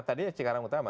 tadinya cikarang utama